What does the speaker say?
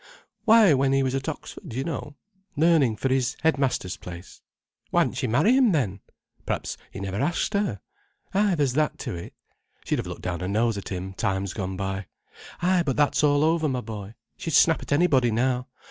Why, when he was at Oxford, you know, learning for his head master's place. Why didn't she marry him then? Perhaps he never asked her. Ay, there's that to it. She'd have looked down her nose at him, times gone by. Ay, but that's all over, my boy. She'd snap at anybody now.